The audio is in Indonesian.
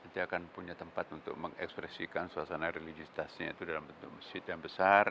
dia akan punya tempat untuk mengekspresikan suasana religisitasnya itu dalam bentuk masjid yang besar